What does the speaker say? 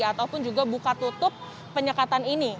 ataupun juga buka tutup penyekatan ini